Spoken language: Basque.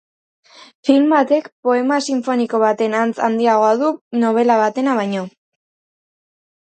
Film batek poema sinfoniko baten antz handiagoa du, nobela batena baino.